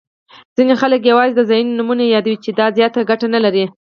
ځیني خلګ یوازي د ځایونو نومونه یادوي، چي دا زیاته ګټه نلري.